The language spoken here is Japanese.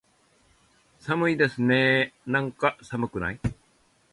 寒いですねーなんか、寒くない？